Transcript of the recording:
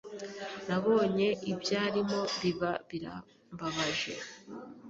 Nabonye ibyarimo biba birambabaje.